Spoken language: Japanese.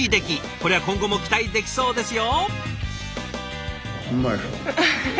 こりゃ今後も期待できそうですよ。